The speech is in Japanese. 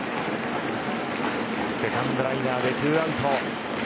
セカンドライナーで２アウト。